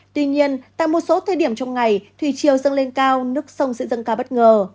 tuy nhiên tại một số thời điểm trong ngày thủy chiều dâng lên cao nước sông sẽ dâng cao bất ngờ